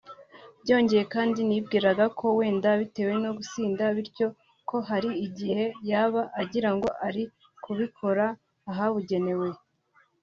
Byongeye kandi nibwiraga ko wenda bitewe no gusinda bityo ko hari igihe yaba agirango ari kubikora ahabugenewe